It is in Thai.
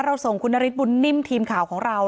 ส่งคุณนฤทธบุญนิ่มทีมข่าวของเรา